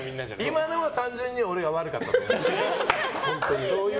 今のは単純に俺が悪かった。